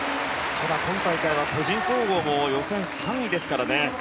ただ、今大会は個人総合も予選３位ですからね。